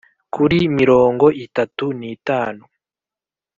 kuri mirongo itatu n itanu